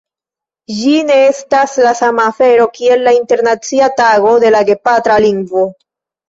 Ĝi ne estas la sama afero kiel la Internacia Tago de la Gepatra Lingvo.